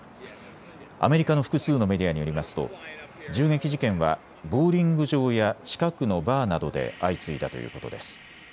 アメリカの複数のメディアによりますと銃撃事件はボウリング場や近くのバーなどで相次いだということです。